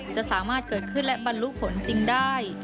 จะสามารถเกิดขึ้นและบรรลุฝนจริงได้